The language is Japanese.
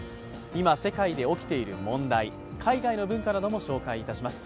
今、世界で起きている問題、海外の分野なども紹介いたします。